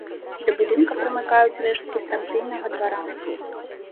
Да будынка прымыкаюць рэшткі станцыйнага двара.